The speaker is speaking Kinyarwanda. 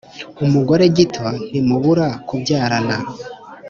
Umugore gito ntimubura kubyarana.